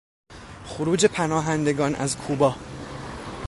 خروج پناهندگان از کوبا